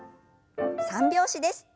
三拍子です。